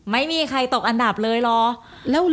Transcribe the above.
ไม่มีใครตกอันดับเลยเหรอ